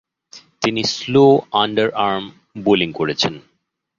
তিনি slow underarm bowling করেছেন।